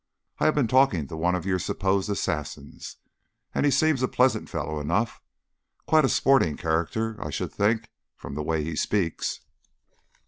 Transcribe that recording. I have been talking to one of your supposed assassins, and he seems a pleasant fellow enough; quite a sporting character, I should think, from the way he speaks."